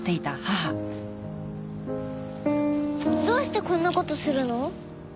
どうしてこんな事するの？